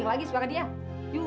nunggu busa anak ibu